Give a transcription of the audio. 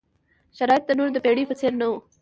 شرایط نور د پېړۍ په څېر نه وو.